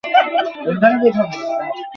এর প্রতিটিতে একটি করে পাথরের ভাস্কর্য ছিলো।